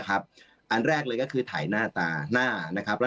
อันแรกคือถ่ายหน้าหน้า